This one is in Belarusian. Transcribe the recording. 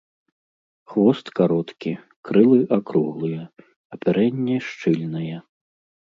Хвост кароткі, крылы акруглыя, апярэнне шчыльнае.